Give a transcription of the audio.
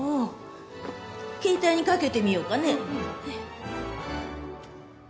携帯にかけてみようかね。